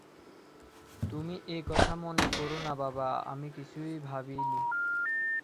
তুমি এ কথা মনে কোরো না বাবা, আমি কিছুই ভাবি নি।